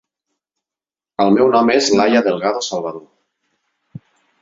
El meu nom és Laia Delgado Salvador.